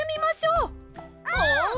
うん！